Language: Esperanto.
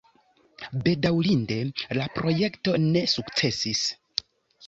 Bedaŭrinde la projekto ne sukcesis.